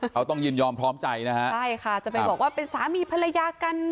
เขาต้องยินยอมพร้อมใจนะฮะใช่ค่ะจะไปบอกว่าเป็นสามีภรรยากัน